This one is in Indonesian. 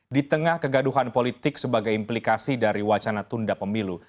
di tengah kegaduhan politik sebagai implikasi dari wacana tunda pemilu